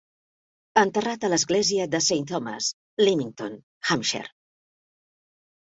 Enterrat a l'església de Saint Thomas, Lymington, Hampshire.